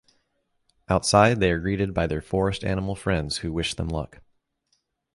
Outside they are greeted by their forest animal friends who wish them luck.